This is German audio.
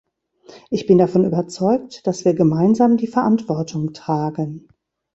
Ich bin davon überzeugt, dass wir gemeinsam die Verantwortung tragen.